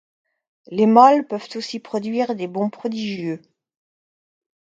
Les mâles peuvent aussi produire des bonds prodigieux.